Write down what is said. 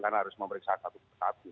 karena harus memeriksa satu satunya